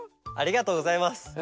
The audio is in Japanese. ありがとうございます。